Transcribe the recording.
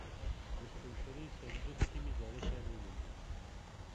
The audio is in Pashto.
د ستنسرۍ صندوق کې مې زاړه شیان وموندل.